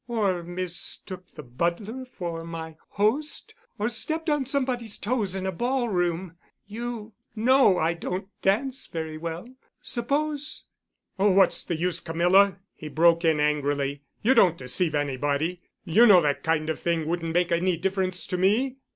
Or mistook the butler for my host? Or stepped on somebody's toes in a ballroom. You know I don't dance very well. Suppose——" "Oh, what's the use, Camilla?" he broke in angrily. "You don't deceive anybody. You know that kind of thing wouldn't make any difference to me."